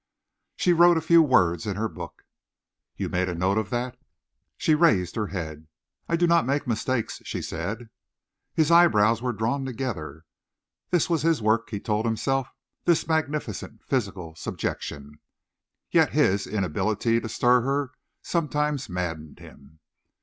She wrote a few words in her book. "You made a note of that?" She raised her head. "I do not make mistakes," she said. His eyebrows were drawn together. This was his work, he told himself, this magnificent physical subjection. Yet his inability to stir her sometimes maddened him.